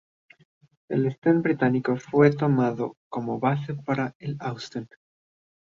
El Sten británico fue tomado como base para el Austen.